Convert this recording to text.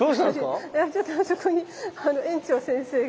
ちょっとそこに園長先生が。